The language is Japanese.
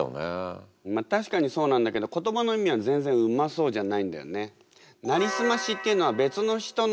確かにそうなんだけど言葉の意味は全然うまそうじゃないんだよね。